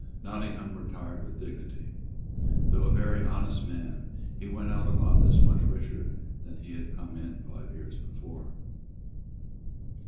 Nottingham retired with dignity. Though a very honest man, he went out of office much richer than he had come in five years before.